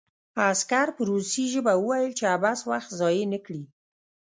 عسکر په روسي ژبه وویل چې عبث وخت ضایع نه کړي